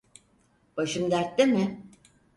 Başım dertte mi?